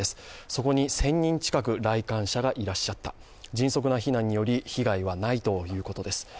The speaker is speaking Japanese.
そこに１０００人近く来館者がいらっしゃった、迅速な避難により被害はないということです。